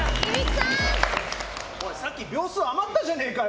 さっき秒数余ったじゃねえかよ。